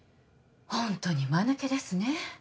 本当にまぬけですね